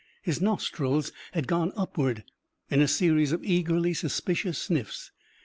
His nostrils had gone upward in a series of eagerly suspicious sniffs.